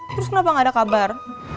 terus kenapa nggak ada kabar